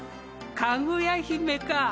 かぐや姫か。